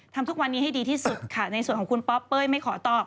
ทุกวันนี้ให้ดีที่สุดค่ะในส่วนของคุณป๊อปเป้ยไม่ขอตอบ